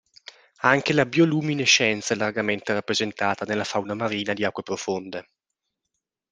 Anche la bioluminescenza è largamente rappresentata nella fauna marina di acque profonde.